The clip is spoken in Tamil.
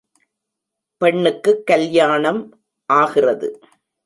பெண்ணுக்குக் கல்யாணம் ஆகிறது.